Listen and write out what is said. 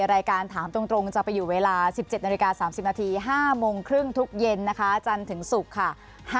รายการถามตรงจะไปอยู่เวลา๑๗๓๐น๕โมงครึ่งทุกเย็นจันทร์ถึงศุกร์ค่ะ